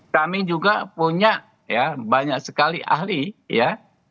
kami juga punya ya banyak sekali ahli ya